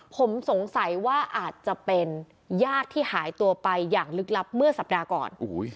ผมสงสัยว่าอาจจะเป็นญาติที่หายตัวไปอย่างลึกลับเมื่อสัปดาห์ก่อน